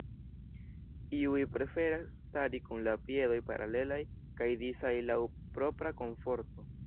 Iuj preferas stari kun la piedoj paralelaj kaj disaj laŭ propra komforto.